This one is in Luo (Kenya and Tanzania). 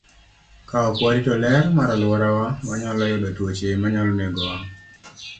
Ka ok warito ler mar alworawa, wanyalo yudo tuoche manyalo negowa.